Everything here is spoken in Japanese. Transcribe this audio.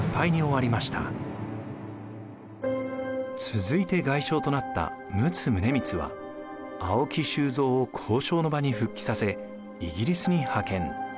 続いて外相となった陸奥宗光は青木周蔵を交渉の場に復帰させイギリスに派遣。